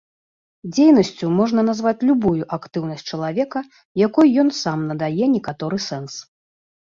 Дзейнасцю можна назваць любую актыўнасць чалавека, якой ён сам надае некаторы сэнс.